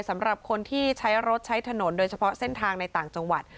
สำหรับคนที่ใช้รถใช้ถนนโดยเฉพาะเส้นทางในต่างจังหวัด